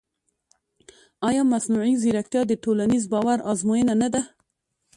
ایا مصنوعي ځیرکتیا د ټولنیز باور ازموینه نه ده؟